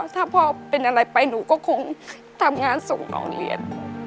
ถ้าพ่อเป็นอะไรไปหนูก็คงทำงานส่งออกเรียน